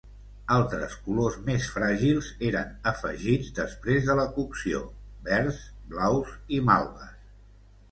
Altres colors més fràgils eren afegits després de la cocció: verds, blaus i malves.